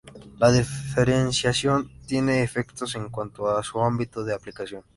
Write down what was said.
La diferenciación tiene efectos en cuanto a su ámbito de aplicación.